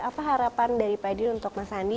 apa harapan dari pak dir untuk mas andi